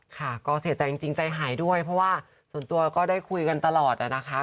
ค่ะก็เสียใจจริงใจหายด้วยเพราะว่าส่วนตัวก็ได้คุยกันตลอดนะคะ